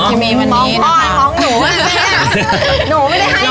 มองพ่อมองหนูแม่หนูไม่ได้ให้อย่างนั้น